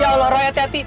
ya allah roy hati hati